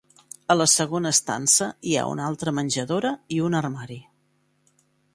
A la segona estança hi ha una altra menjadora i un armari.